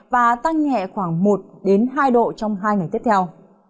và tăng nhẹ khoảng một hai độ trong hai ngày tiếp theo